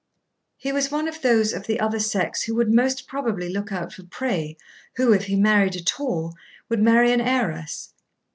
He was one of those of the other sex who would most probably look out for prey, who, if he married at all, would marry an heiress.